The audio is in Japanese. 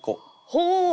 ほう！